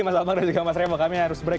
mas abang dan juga mas revo kami harus break